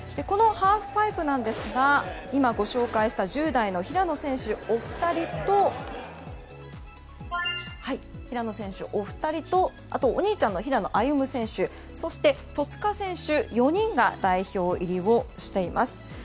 このハーフパイプなんですが今、ご紹介した１０代の平野選手のお二人とあとはお兄ちゃんの平野歩夢選手そして戸塚選手の４人が代表入りをしています。